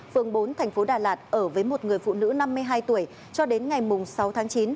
phường bốn thành phố đà lạt ở với một người phụ nữ năm mươi hai tuổi cho đến ngày sáu tháng chín